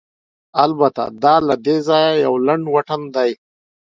البته، دا له دې ځایه یو لنډ واټن دی.